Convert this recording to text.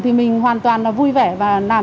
thì mình hoàn toàn vui vẻ và làm